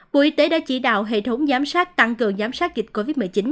bộ y tế đã chỉ đạo hệ thống giám sát tăng cường giám sát dịch covid một mươi chín